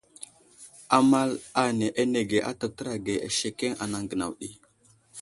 Amal ane anege a tərtər age asekeŋ anaŋ gənaw ɗi.